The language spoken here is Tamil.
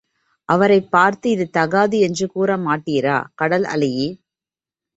அவரைப் பார்த்து இது தகாது என்று கூறமாட்டீரா? கடல் அலையே!